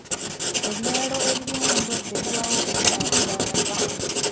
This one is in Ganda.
Ebyalo ebirimu endwadde birwawo okukulaakulana.